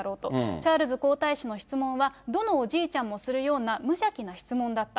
チャールズ皇太子の質問は、どのおじいちゃんもするような無邪気な質問だった。